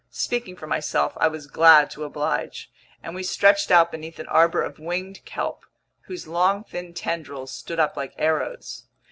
Speaking for myself, I was glad to oblige, and we stretched out beneath an arbor of winged kelp, whose long thin tendrils stood up like arrows.